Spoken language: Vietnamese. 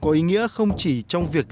có ý nghĩa không chỉ trong việc